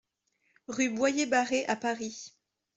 Rue Boyer-Barret à Paris